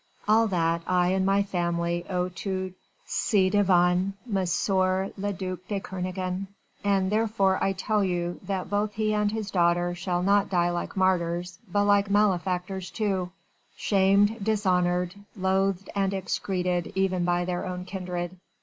All that I and my family owe to ci devant M. le duc de Kernogan, and therefore I tell you, that both he and his daughter shall not die like martyrs but like malefactors too shamed dishonoured loathed and execrated even by their own kindred!